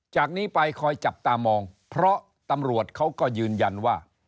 จากนี้ไปคอยจับตามองเพราะตำรวจเขาก็ยืนยันว่า